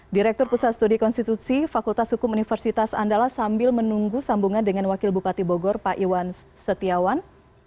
direktur pusat studi konstitusi fakultas hukum universitas andalas sambil menunggu sambungan dengan wakil bupati bogor pak iwan setiawan